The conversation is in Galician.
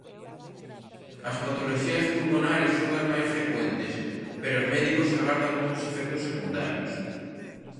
As patoloxías pulmonares son as máis frecuentes, pero os médicos agardan outros efectos secundarios.